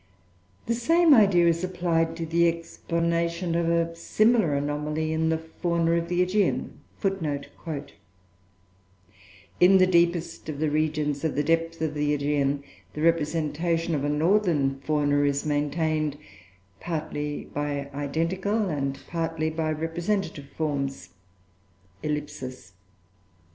The same idea is applied to the explanation of a similar anomaly in the Fauna of the Aegean: "In the deepest of the regions of depth of the Aegean, the representation of a Northern Fauna is maintained, partly by identical and partly by representative forms....